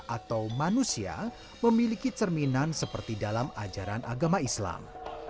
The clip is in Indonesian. atau manusia memiliki cerminan seperti dalam ajaran agama islam